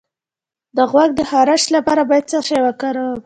د غوږ د خارش لپاره باید څه وکاروم؟